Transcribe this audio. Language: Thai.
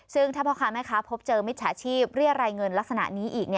ซึ่งถ้าพบเจอมิจฉาชีพเรียนรายเงินลักษณะนี้อีก